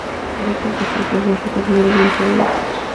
Habita en pastos, brezos, rocas, muros en toda Europa.